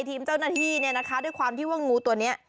ทีมเจ้าหน้าที่เนี่ยนะคะด้วยความที่ว่างูตัวนี้